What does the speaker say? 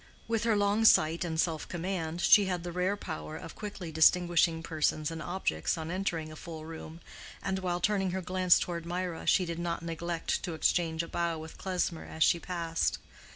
With her long sight and self command she had the rare power of quickly distinguishing persons and objects on entering a full room, and while turning her glance toward Mirah she did not neglect to exchange a bow with Klesmer as she passed.